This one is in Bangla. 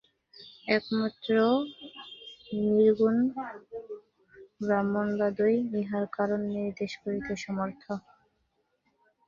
একমাত্র নির্গুণ ব্রহ্মবাদই ইহার কারণ নির্দেশ করিতে সমর্থ।